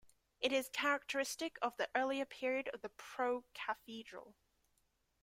It is characteristic of the earlier period of the Pro-Cathedral.